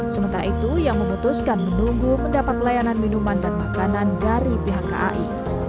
sementara itu yang memutuskan menunggu mendapat layanan minuman dan makanan dari pihak kai